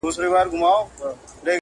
ما چي هلمند ته ترانې لیکلې!!